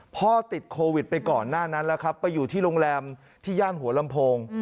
พ่อติดโควิดไปก่อนหน้านั้นแล้วครับไปอยู่ที่โรงแรมที่ย่านหัวลำโพง